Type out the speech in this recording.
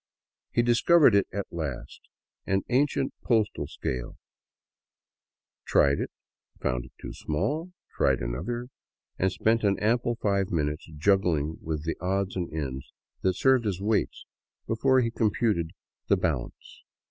He discovered it at last, — an ancient postal scales — tried it, found it too small, tried another, and spent an ample five minutes juggling with the odds and ends that served as weights before he computed the bal ance.